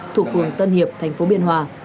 thuộc vườn tân hiệp thành phố biên hòa